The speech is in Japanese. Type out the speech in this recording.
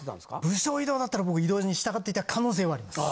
部署異動だったら僕異動に従っていた可能性はあります。